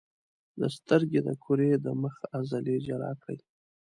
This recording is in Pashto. د سترګې د کرې د مخ عضلې جلا کړئ.